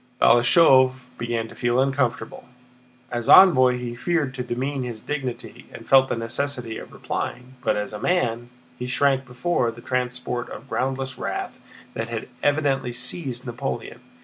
Balashëv began to feel uncomfortable: as envoy he feared to demean his dignity and felt the necessity of replying; but, as a man, he shrank before the transport of groundless wrath that had evidently seized Napoleon.